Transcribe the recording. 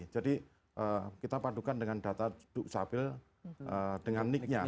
jadi kita padukan dengan data duduk sapil dengan nick nya